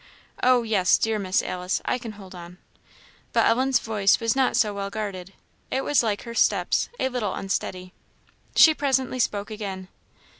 "Oh, yes, dear Miss Alice; I can hold on." But Ellen's voice was not so well guarded. It was like her steps, a little unsteady. She presently spoke again.